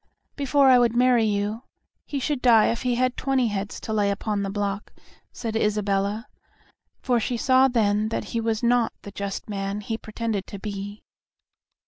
"Before I would marry you, he should die if he had twenty heads to lay upon the block," said Isabella, for she saw then that he was not the just man he pretended to be.